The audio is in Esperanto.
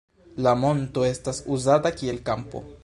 La monto estas uzata kiel kampo.